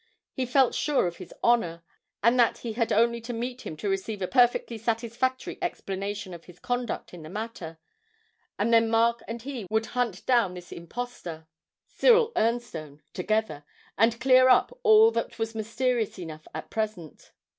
He felt sure of his honour, and that he had only to meet him to receive a perfectly satisfactory explanation of his conduct in the matter, and then Mark and he would hunt down this impostor, Cyril Ernstone, together, and clear up all that was mysterious enough at present.